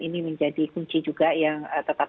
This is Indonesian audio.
ini menjadi kunci juga yang tetap